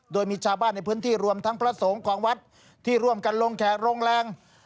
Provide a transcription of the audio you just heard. โดยมีชาวบ้านในพื้นที่รวมทั้งพระสงฆ์ของวัดที่ร่วมกันลงแขกโรงแรง